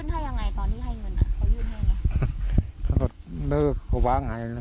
เขายื่นให้ยังไงตอนนี้ให้เงินอ่ะเขายื่นให้ยังไง